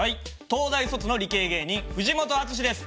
東大卒の理系芸人藤本淳史です。